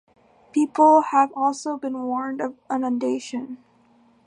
People have also been warned of inundation.